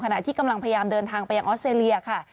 ขณะที่กำลังพยายามเดินทางไปยังออสเตรเลียค่ะ